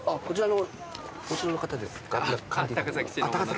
こちらの方ですか？